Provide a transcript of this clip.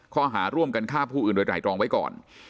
ข้อหาร่วมกันฆ่าผู้อื่นโดยไตรรองไว้ก่อน